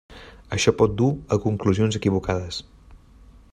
Això pot dur a conclusions equivocades.